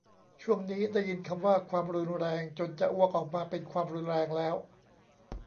ช่วงนี้ได้ยินคำว่า"ความรุนแรง"จนจะอ้วกออกมาเป็นความรุนแรงแล้ว